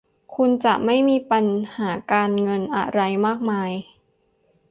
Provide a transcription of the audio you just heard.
คุณจะไม่มีปัญหาการเงินอะไรมากมาย